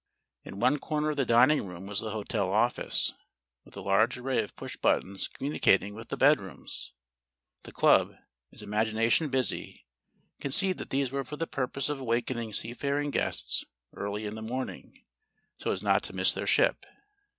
In one corner of the dining room was the hotel office, with a large array of push buttons communicating with the bedrooms. The club, its imagination busy, conceived that these were for the purpose of awakening seafaring guests early in the morning, so as not to miss their ship.